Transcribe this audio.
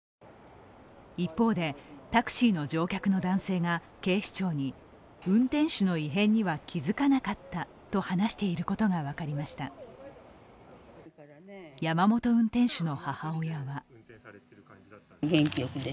一方で、タクシーの乗客の男性が、警視庁に運転手の異変には気づかなかったと話していることが分かりました。